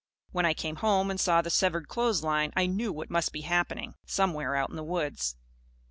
When I came home and saw the severed clothesline, I knew what must be happening, somewhere out in the woods.